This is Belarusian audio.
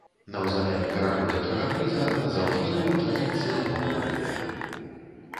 Наўзамен пераходзячага прыза назаўжды ўручаецца яго копія.